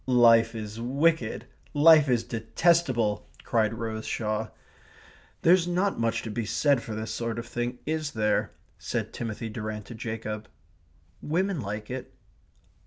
"Life is wicked life is detestable!" cried Rose Shaw. "There's not much to be said for this sort of thing, is there?" said Timothy Durrant to Jacob. "Women like it."